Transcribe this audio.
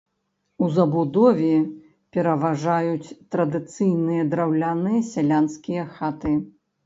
У забудове пераважаюць традыцыйныя драўляныя сялянскія хаты.